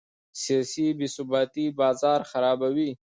سیاسي بې ثباتي بازار خرابوي.